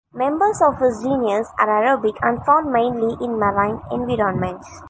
Members of this genus are aerobic and found mainly in marine environments.